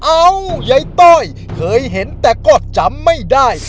เอ้ายายต้อยเคยเห็นแต่ก็จำไม่ได้